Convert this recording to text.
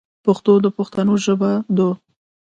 پښتو د پښتنو ژبه دو.